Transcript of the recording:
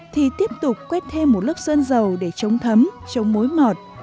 thì tiếp tục quét thêm một lớp sơn dầu để chống thấm chống mối mọt